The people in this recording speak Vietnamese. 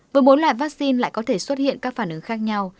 với bốn loại vaccine lại có thể xuất hiện các phản ứng khác nhau